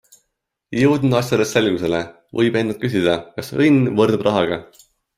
Jõudnud asjades selgusele, võid endalt küsida, kas õnn võrdub rahaga.